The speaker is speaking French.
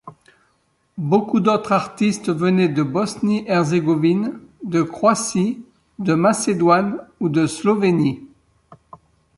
Beaucoup d'autres artistes venaient de Bosnie-Herzégovine, de Croatie, de Macédoine ou de Slovénie.